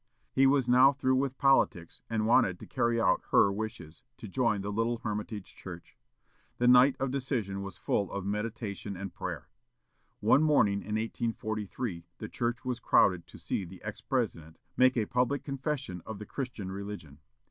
He was now through with politics, and wanted to carry out her wishes, to join the little Hermitage church. The night of decision was full of meditation and prayer. One morning in 1843, the church was crowded to see the ex President make a public confession of the Christian religion.